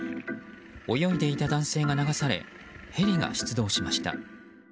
泳いでいた男性が流されヘリが出動しました。